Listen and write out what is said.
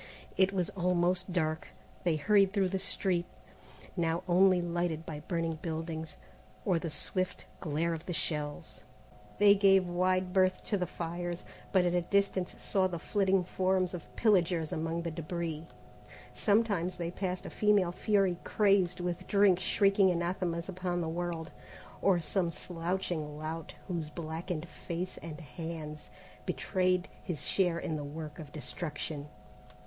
It was almost dark. They hurried through the street, now only lighted by burning buildings, or the swift glare of the shells. They gave wide berth to the fires, but at a distance saw the flitting forms of pillagers among the débris. Sometimes they passed a female fury crazed with drink shrieking anathemas upon the world, or some slouching lout whose blackened face and hands betrayed his share in the work of destruction.